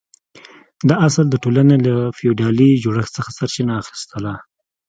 دا اصل د ټولنې له فیوډالي جوړښت څخه سرچینه اخیسته.